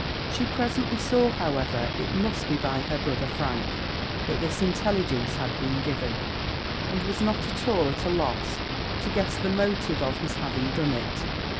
She presently saw, however, it must be by her brother Frank that this intelligence had been given; and was not at all at a loss to guess the motive of his having done it.